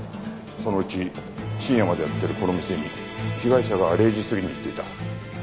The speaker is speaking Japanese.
そのうち深夜までやってるこの店に被害者が０時過ぎに行っていた。